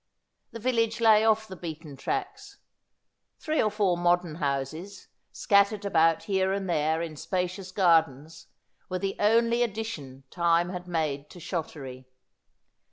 The vil lage lay off the beaten tracks. Three or four modern houses, scattered about here and there in spacious gardens, were the only addition time had made to Shottery.